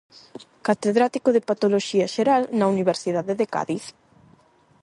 Catedrático de Patoloxía Xeral na Universidade de Cádiz.